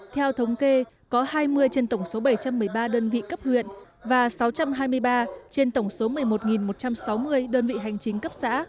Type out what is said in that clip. theo thống kê có hai mươi trên tổng số bảy trăm một mươi ba đơn vị cấp huyện và sáu trăm hai mươi ba trên tổng số một mươi một một trăm sáu mươi đơn vị hành chính cấp xã